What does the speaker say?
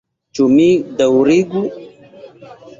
Ĉu mi daŭrigu?